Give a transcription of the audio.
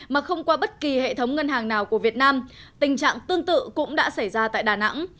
mà không qua bất kỳ hệ thống ngân hàng nào của việt nam tình trạng tương tự cũng đã xảy ra tại đà nẵng